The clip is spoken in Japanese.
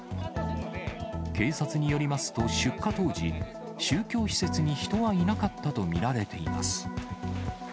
警察によりますと、出火当時、宗教施設に人はいなかったと見られています。